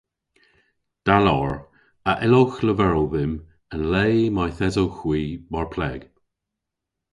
Da lowr. A yllowgh leverel dhymm an le mayth esowgh hwi mar pleg?